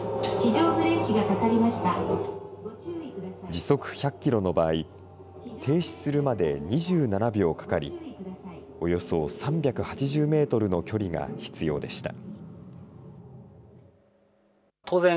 時速１００キロの場合、停止するまで２７秒かかり、およそ３８０メートルの距離が必要でした。